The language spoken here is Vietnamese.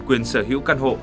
quyền sở hữu căn hộ